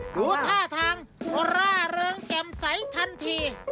ดูท่าทางร่าเริงแจ่มใสทันที